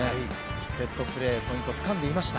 セットプレーのポイントをつかんでいました。